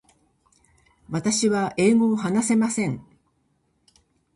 私は英語を話せません。